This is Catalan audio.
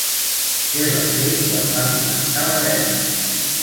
Què va fer quan va començar la guerra?